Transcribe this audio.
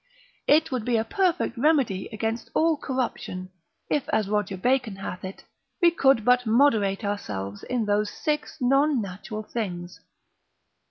It would be a perfect remedy against all corruption, if, as Roger Bacon hath it, we could but moderate ourselves in those six non natural things.